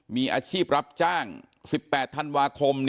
มีอาชีพรับจ้าง๑๘ธันวาคม